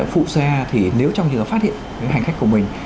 phụ xe thì nếu trong khi nó phát hiện hành khách của mình